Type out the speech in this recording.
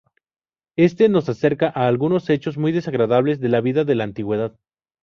Este nos acerca a algunos hechos muy desagradables de la vida de la Antigüedad.